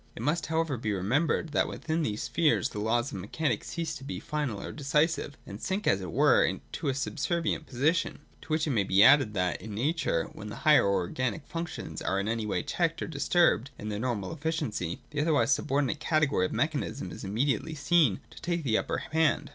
It must however be remembered, that within these spheres the laws of mechanism cease to be final or decisive, and sink, as it were, to a subservient position. To which may be added, that, in Nature, when the higher or organic functions are in any way checked or dis turbed in their normal efficiency, the otherwise subordinate category of mechanism is immediately seen to take the upper hand.